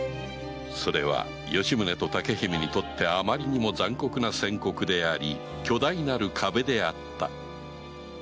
それは吉宗と竹姫にとってあまりにも残酷な宣告であり巨大なる壁であった